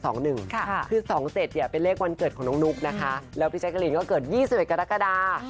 ก็คือ๒๗เป็นเลขวันเกิดของน้องนุกแล้วนุกก็เกิด๒๑กระดาบ